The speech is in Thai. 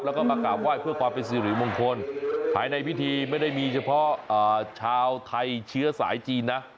แล้วก็มากราบไหว้เพื่อความเป็นสิริมงคลภายในพิธีไม่ได้มีเฉพาะชาวไทยเชื้อสายจีนนะ